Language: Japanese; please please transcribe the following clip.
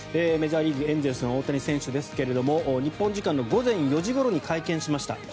メジャーリーグ、エンゼルスの大谷選手ですが日本時間の午前４時ごろに会見をしました。